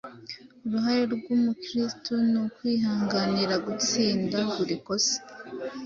Uruhare rw’Umukristo ni ukwihanganira gutsinda buri kosa